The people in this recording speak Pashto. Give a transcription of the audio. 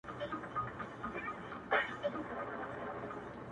ستا و مخ ته چي قدم دی خو ته نه يې